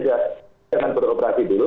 jadi kita harus beroperasi dulu